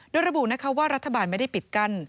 โดยรบุงนะครัวว่ารัฐบาลไม่ได้ปิดกั้น